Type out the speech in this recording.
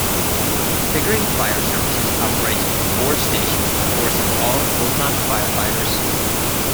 Pickering Fire Services operates from four stations with a force of all full-time firefighters.